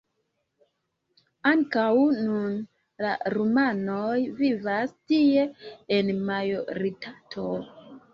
Ankaŭ nun la rumanoj vivas tie en majoritato.